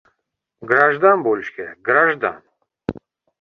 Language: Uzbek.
— Grajdan bo‘lish kerak, grajdan!